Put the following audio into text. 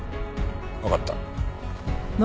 わかった。